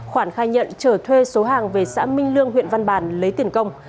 khoản khai nhận trở thuê số hàng về xã minh lương huyện văn bàn lấy tiền công